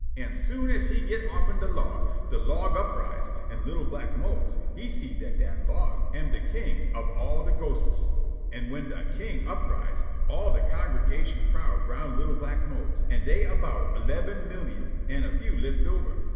An' soon as he git' offen de log, de log uprise, an' li'l' black Mose he see' dat dat log am de king ob all de ghostes. An' whin de king uprise, all de congergation crowd round li'l' black Mose, an' dey am about leben millium an' a few lift over.